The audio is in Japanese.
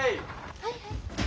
はいはい。